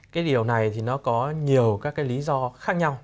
cái điều này thì nó có nhiều các cái lý do khác nhau